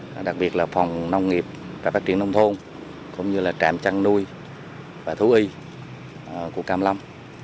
hoặc là phòng nông nghiệp và phát triển nông thôn cũng như là trạm chăn nuôi và thú y của càm lâm